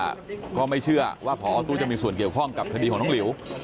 ก็ไม่เชื่อว่าพอตู้จะมีส่วนเกี่ยวข้องกับคดีของน้องหลิว